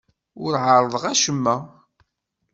Ur ɛerrḍeɣ acemma.